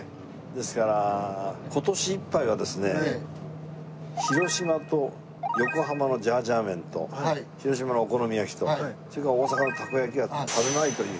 ですから今年いっぱいはですね広島と横浜のジャージャー麺と広島のお好み焼きとそれから大阪のたこ焼きは食べまいというふうに。